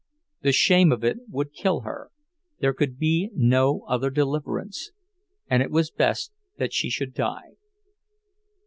The shame of it would kill her—there could be no other deliverance, and it was best that she should die.